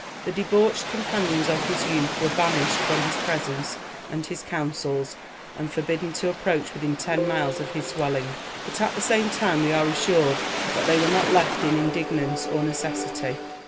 The debauched companions of his youth were banished from his presence and his counsels, and forbidden to approach within ten miles of his dwelling. But at the same time we are assured that they were not left in indigence or necessity.